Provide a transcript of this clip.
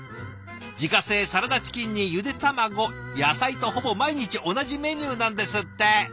自家製サラダチキンにゆで卵野菜とほぼ毎日同じメニューなんですって。